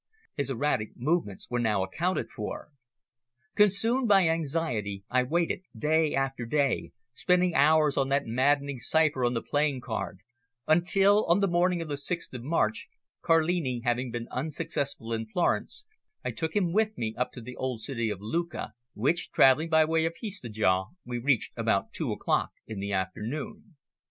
His erratic movements were now accounted for. Consumed by anxiety I waited day after day, spending hours on that maddening cipher on the playing card, until, on the morning of the 6th of March, Carlini having been unsuccessful in Florence, I took him with me up to the old city of Lucca, which, travelling by way of Pistoja, we reached about two o'clock in the afternoon.